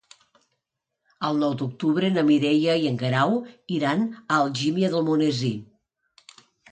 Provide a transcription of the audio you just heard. El nou d'octubre na Mireia i en Guerau iran a Algímia d'Almonesir.